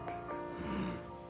うん。